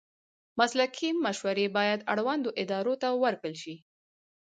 مسلکي مشورې باید اړوندو ادارو ته ورکړل شي.